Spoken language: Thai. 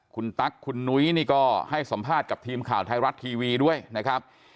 คุณตั๊กคุณนุ้ยนี่ก็ให้สัมภาษณ์กับทีมข่าวไทยรัฐทีวีด้วยนะครับ